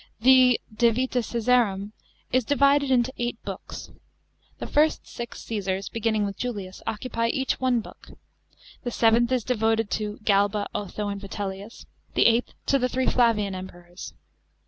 The De vita C&sarum is divided into eight Books. The first six Caasars, beginning with Julius,* occupy each one Book ; the seventh is devoted to Galba, Otho, and Vitellius, the eighth to the three Flavian Emperors.